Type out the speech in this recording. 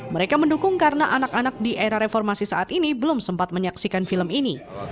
mereka mendukung karena anak anak di era reformasi saat ini belum sempat menyaksikan film ini